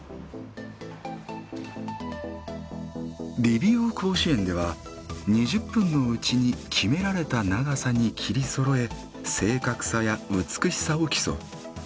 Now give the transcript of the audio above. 理美容甲子園では２０分のうちに決められた長さに切りそろえ正確さや美しさを競う。